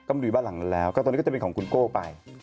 ก็มาอยู่บ้านหลังนั้นแล้วก็ตอนนี้ก็จะเป็นของคุณโก้ไป